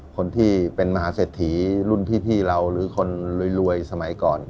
คนที่เป็นมหาเศรษฐีรุ่นพี่เราหรือคนรวยสมัยก่อน